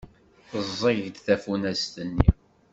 Teẓẓeg-d tafunast-nni.